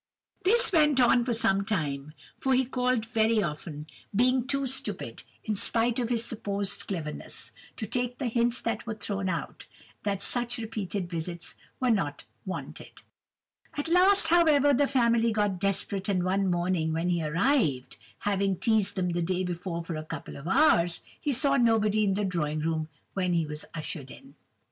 "This went on for some time, for he called very often, being too stupid, in spite of his supposed cleverness, to take the hints that were thrown out, that such repeated visits were not wanted. "At last, however, the family got desperate and one morning when he arrived, (having teazed them the day before for a couple of hours,) he saw nobody in the drawing room when he was ushered in.